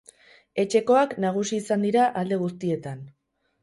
Etxekoak nagusi izan dira alde guztietan.